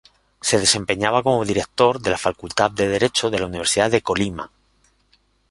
Se desempeñaba como Director de la Facultad de Derecho de la Universidad de Colima.